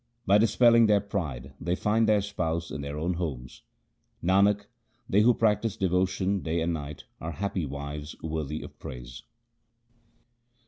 By dispelling their pride, they find their Spouse in their own homes. Nanak, they who practise devotion day and night are happy wives worthy of praise.